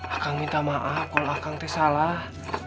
akang minta maaf kalau akang itu salah